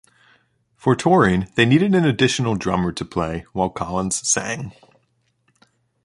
For touring, they needed an additional drummer to play while Collins sang.